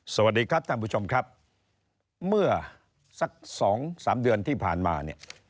สวัสดีครับท่านผู้ชมครับเมื่อสักสองสามเดือนที่ผ่านมาเนี่ย